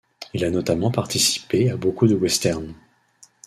Il a notamment participé à beaucoup de westerns.